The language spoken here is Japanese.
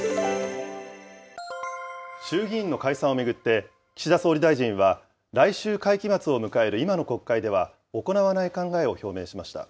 衆議院の解散を巡って、岸田総理大臣は、来週会期末を迎える今の国会では行わない考えを表明しました。